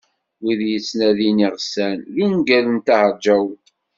"Wid yettnadin iɣsan" d ungal n Ṭaher Ǧaɛut.